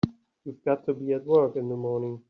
You've got to be at work in the morning.